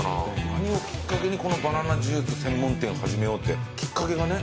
何をきっかけにこのバナナジュース専門店を始めようって？きっかけがね。